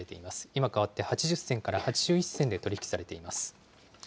今変わって８０銭から８１銭で取り引きされています。